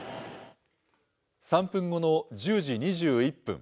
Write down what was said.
３分後の１０時２１分。